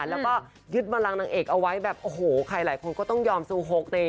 แล้วก็ยึดบันลังนางเอกเอาไว้แบบโอ้โหใครหลายคนก็ต้องยอมซูโฮก